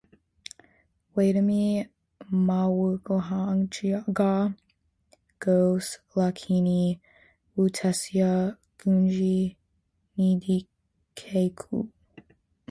Watimie maw'ughanga ghose lakini w'utesia ghungi ndeghuko.